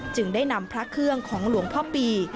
จึงได้นำพระเครื่องของหลวงพ่อปี